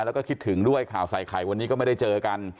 แล้วก็คิดถึงด้วยข่าวใส่ไข่วันนี้ก็ไม่ได้เจอกัน